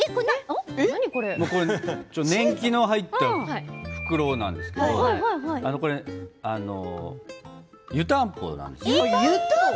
年季の入った袋なんですけれども湯たんぽなんです。